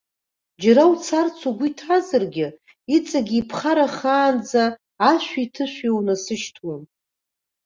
Џьара уцарц угәы иҭазаргьы, иҵегьы иԥхаррахаанӡа ашәиҭышәи унасышьҭуам.